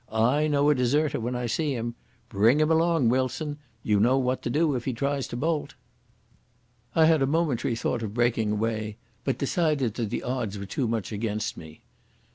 I know a deserter when I see him. Bring him along, Wilson. You know what to do if he tries to bolt." I had a momentary thought of breaking away, but decided that the odds were too much against me.